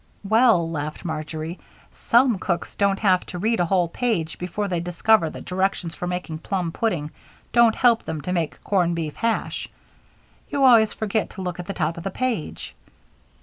"Well," laughed Marjory, "some cooks don't have to read a whole page before they discover that directions for making plum pudding don't help them to make corned beef hash. You always forget to look at the top of the page."